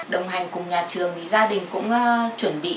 đồng hành cùng nhà trường thì gia đình cũng chuẩn bị